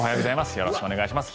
よろしくお願いします。